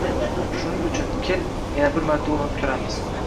Shuning uchun, kel, yana bir marta urinib ko‘ramiz…